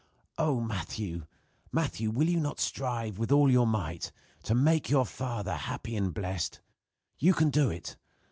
Oh! Matthew! Matthew! Will you not strive, with all your might, to make your father happy and blessed? You can do it.